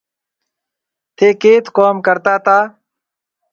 ٿي ڪيٿ ڪوم ڪرتا تا